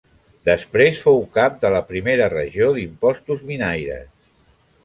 Després fou cap de la Primera Regió d'Impostos Minaires.